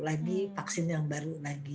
lagi vaksin yang baru lagi